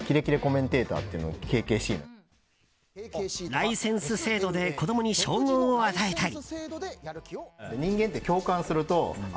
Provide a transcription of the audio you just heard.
ライセンス制度で子供に称号を与えたり。